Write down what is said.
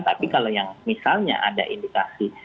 tapi kalau yang misalnya ada indikasi